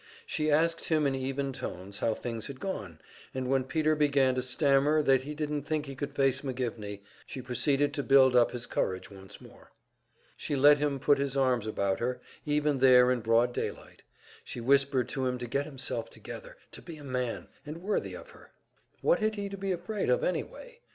She asked him in even tones how things had gone, and when Peter began to stammer that he didn't think he could face McGivney, she proceeded to build up his courage once more. She let him put his arms about her, even there in broad daylight; she whispered to him to get himself together, to be a man, and worthy of her. What had he to be afraid of, anyway?